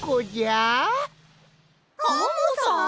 アンモさん！？